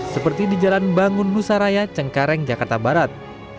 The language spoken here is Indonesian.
seperti di jalan bangun nusaraya cengkareng jakarta barat